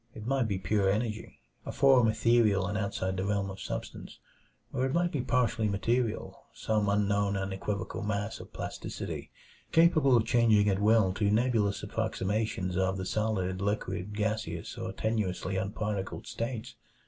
It might be pure energy a form ethereal and outside the realm of substance or it might be partly material; some unknown and equivocal mass of plasticity, capable of changing at will to nebulous approximations of the solid, liquid, gaseous, or tenuously unparticled states.